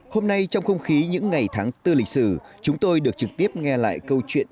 hôm nay trong không khí những ngày tháng bốn lịch sử chúng tôi được trực tiếp nghe lại câu chuyện